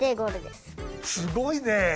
すごいね！